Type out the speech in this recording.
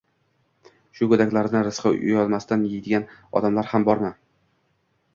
Shu go‘daklarni rizqini uyalmasdan yeydigan odamlar ham bormi